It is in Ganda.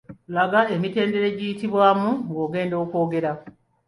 Laga emitendera egiyitibwamu nga ogenda okwogera .